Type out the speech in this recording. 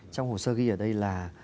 trong hồ sơ ghi ở đây là